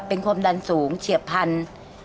เป็นความดันสูงเฉียบพันธุ์